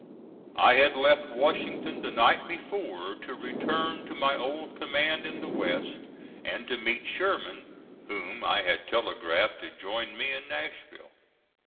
I had left Washington the night before to return to my old command in the West and to meet Sherman whom I had telegraphed to join me in Nashville.